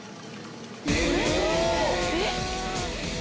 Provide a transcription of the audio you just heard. えっ？